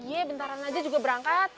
ye bentaran aja juga berangkat